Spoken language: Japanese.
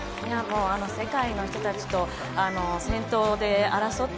世界の人たちと先頭で争って